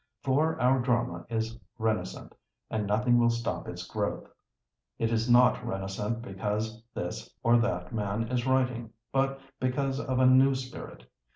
For our drama is renascent, and nothing will stop its growth. It is not renascent because this or that man is writing, but because of a new spirit.